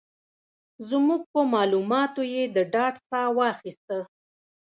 زموږ په مالوماتو یې د ډاډ ساه واخيسته.